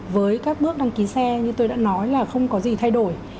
với các bước đăng ký xe như tôi đã nói là không có gì thay đổi